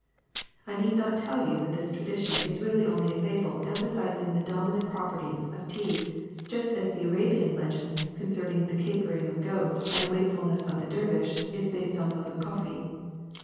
^'I need not tell you that this tradition is really only a fable emphasizing the dominant properties of tea, just as the Arabian legend concerning the caper ing of goats and the wakefulness of the dervish is based on those of coffee.